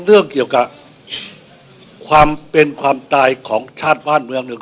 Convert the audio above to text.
เรื่องเกี่ยวกับความเป็นความตายของชาติบ้านเมืองหนึ่ง